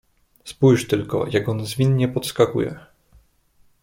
"Spójrz tylko, jak on zwinnie podskakuje."